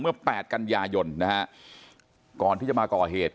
แปดกันยายนนะฮะก่อนที่จะมาก่อเหตุ